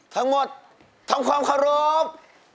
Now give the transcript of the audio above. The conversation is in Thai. ทั้งหมดท้องความขอบคุณ